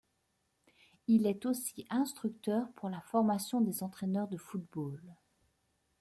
Il est aussi instructeur pour la formation des entraineurs de football.